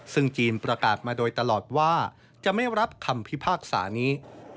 ซึ่งจีนประกาศมาโดยตลอดว่าจะไม่รับคำพิพากษานี้